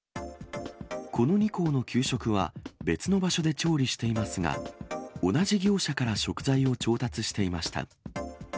この２校の給食は別の場所で調理していますが、同じ業者から食材を調達していました。